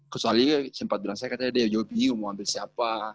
kesualianya sempat berasa katanya dia juga bingung mau ambil siapa